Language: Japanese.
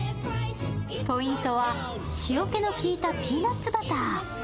ポイントは塩気の効いたピーナッツバター。